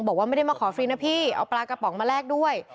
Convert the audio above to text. บอกว่าไม่ได้มาขอฟรีนะพี่เอาปลากระป๋องมาแลกด้วย